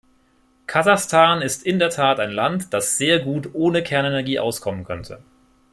Kasachstan ist in der Tat ein Land, das sehr gut ohne Kernenergie auskommen könnte.